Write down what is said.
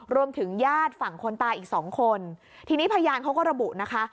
รวมถึงญาติฝั่งคนตายอีกสองคนทีนี้พยานเขาก็ระบุนะคะ